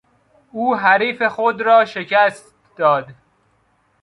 او حریف خود را شکست داد.